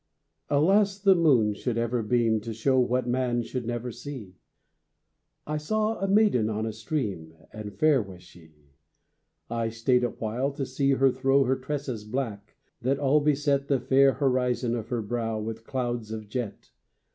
] Alas, the moon should ever beam To show what man should never see! I saw a maiden on a stream, And fair was she! I staid awhile, to see her throw Her tresses black, that all beset The fair horizon of her brow With clouds of jet.